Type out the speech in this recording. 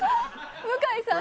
向井さん